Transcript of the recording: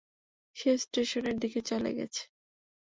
সে স্টেশনের দিকে চলে গেছে।